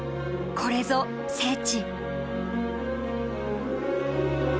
これぞ聖地。